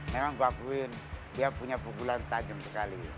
memang aku akuin dia punya pukulan tajam sekali